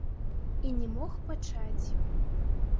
І не мог пачаць.